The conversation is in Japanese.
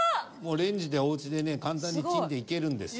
レンジでおうちでね簡単にチンでいけるんですよ。